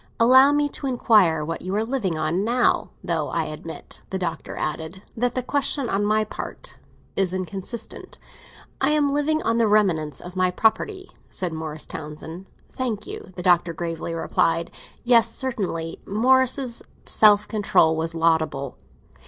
"Allow me to inquire what you are living on now—though I admit," the Doctor added, "that the question, on my part, is inconsistent." "I am living on the remnants of my property," said Morris Townsend. "Thank you!" the Doctor gravely replied. Yes, certainly, Morris's self control was laudable.